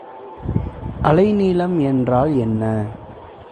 அலைநீளம் என்றால் என்ன?